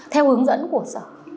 theo hướng dẫn của sở